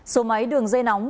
số máy đường dây nóng